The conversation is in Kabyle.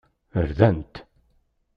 Rdan-t.